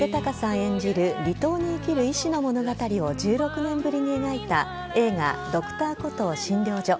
演じる離島に生きる医師の物語を１６年ぶりに描いた映画「Ｄｒ．コトー診療所」